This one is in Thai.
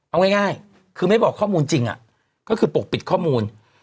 เอาง่ายคือไม่บอกข้อมูลจริงก็คือปกปิดข้อมูล